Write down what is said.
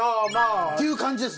っていう感じです